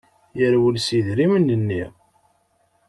Yerwel s yidrimen-nni.